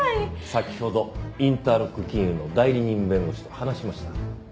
先ほどインターロック金融の代理人弁護士と話しました。